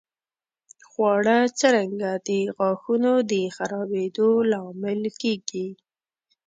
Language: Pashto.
خواړه څرنګه د غاښونو د خرابېدو لامل کېږي؟